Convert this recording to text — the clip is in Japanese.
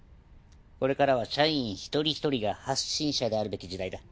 これからは社員一人一人が発信者であるべき時代だ。